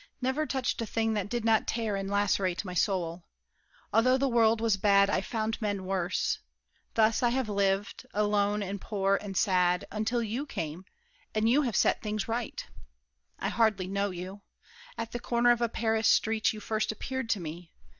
Never touched a thing That did not tear and lacerate my soul! Although the world was bad, I found men worse. Thus I have lived; alone and poor and sad, Until you came, and you have set things right. I hardly know you. At the corner of A Paris street you first appeared to me.